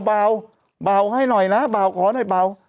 เบาให้หน่อยนะเบาขอหน่อยเบา